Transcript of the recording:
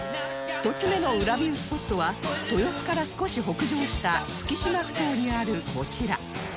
１つ目の裏ビュースポットは豊洲から少し北上した月島埠頭にあるこちら